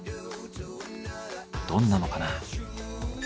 どんなのかな。